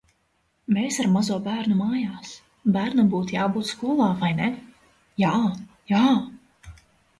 Mēs ar mazo bērnu mājās. Bērnam būtu jābūt skolā, vai ne? Jā! Jā!